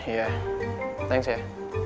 iya thanks ya